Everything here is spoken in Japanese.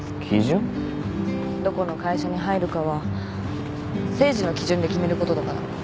どこの会社に入るかは誠治の基準で決めることだから。